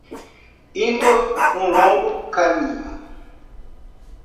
Indo um longo caminho